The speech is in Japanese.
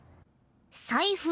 財布